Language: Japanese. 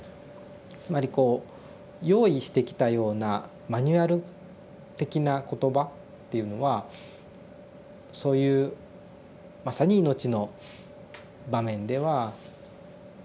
つまりこう用意してきたようなマニュアル的な言葉っていうのはそういうまさに命の場面では通じるはずがない。